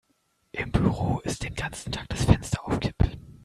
Im Büro ist den ganzen Tag das Fenster auf Kipp.